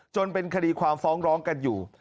จนเป็นคดีความฟ้องร้องกันอยู่